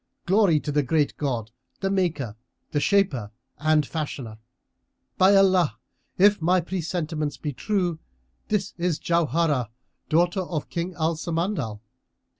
Glory to the Great God, the Maker, the Shaper and Fashioner! By Allah, if my presentiments be true, this is Jauharah, daughter of King Al Samandal!